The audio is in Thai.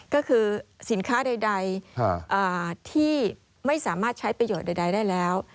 ก็คือสินค้าใดที่ไม่สามารถใช้ประโยชน์ใดได้แล้ว